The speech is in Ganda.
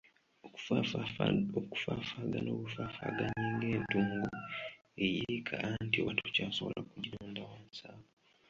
Okufaafaagana obufaafaaganyi ng'entungo eyiika anti oba tokyasobola kugironda wansi awo.